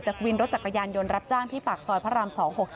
วินรถจักรยานยนต์รับจ้างที่ปากซอยพระราม๒๖๓